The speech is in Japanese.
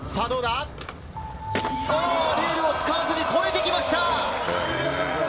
レールを使わずに越えてきました。